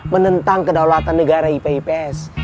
menentang kedaulatan negara ip ips